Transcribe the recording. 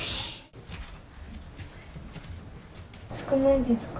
少ないですか？